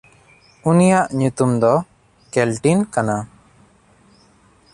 ᱩᱱᱤᱭᱟᱜ ᱧᱩᱛᱩᱢ ᱫᱚ ᱠᱮᱞᱴᱤᱱ ᱠᱟᱱᱟ᱾